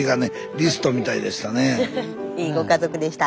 いいご家族でした。